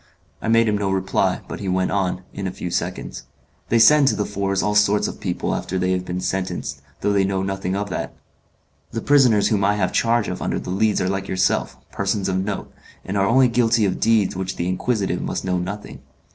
I made him no reply, but he went on, in a few seconds, "They send to the Fours all sorts of people after they have been sentenced, though they know nothing of that. The prisoners whom I have charge of under the Leads are like yourself, persons of note, and are only guilty of deeds of which the inquisitive must know nothing.